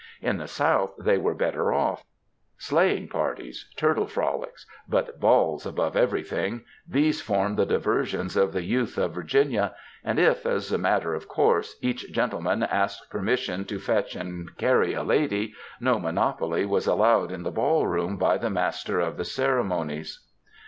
In the South they were better off. Sleighing parties, turtle frolics, but balls above every thing, these formed the diversions of the youth of Virginia, and if, as a matter of course, each gentleman asked per mission to fetch and carry a lady, ^^no monopoly was allowed in the ball room by the master of the ceremonies.